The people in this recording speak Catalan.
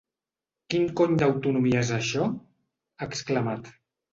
Quin cony d’autonomia és això?, ha exclamat.